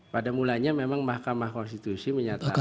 pada mulanya memang mahkamah konstitusi menyatakan